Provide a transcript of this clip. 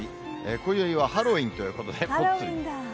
こよいはハロウィーンということで、ぽつリン。